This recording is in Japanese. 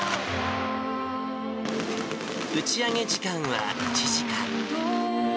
打ちあげ時間は１時間。